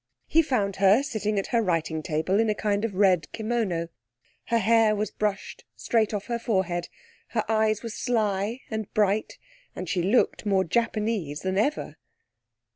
He found her sitting at her writing table in a kind of red kimono. Her hair was brushed straight off her forehead, her eyes were sly and bright, and she looked more Japanese than ever.